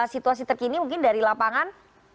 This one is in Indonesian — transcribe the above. situasi terkini mungkin dari lapangan